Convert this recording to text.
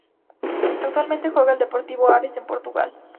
Actualmente juega en el Desportivo Aves de Portugal.